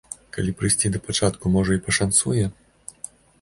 Калі прыйсці да пачатку, можа і пашанцуе?